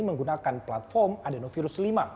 menggunakan platform adenovirus lima